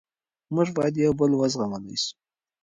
موږ باید یو بل و زغملی سو.